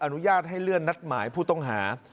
อนุญาตให้เลื่อนนัดหมายผู้ต้องหา